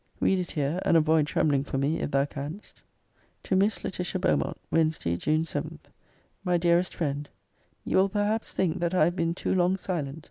Read it here; and avoid trembling for me, if thou canst. TO MISS LAETITIA BEAUMONT WEDNESDAY, JUNE 7. MY DEAREST FRIEND, You will perhaps think that I have been too long silent.